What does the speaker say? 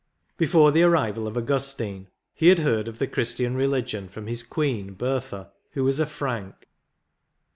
Before the arrival of Augustine, he had heard of the Christian reli gion from his queen, Bertha, who was a Frank.